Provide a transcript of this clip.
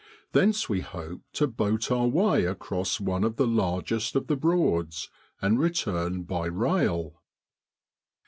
Thence we hope to boat our way across one of the largest of the Broads, and return by rail.